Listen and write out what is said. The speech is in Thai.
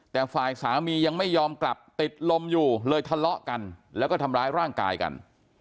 แต่ฝ่ายสามียังไม่ยอมกลับติดลมอยู่เลยทะเลาะกันแล้วก็ทำร้ายร่างกายกัน